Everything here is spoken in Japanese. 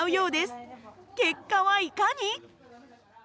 結果はいかに？